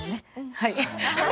はい。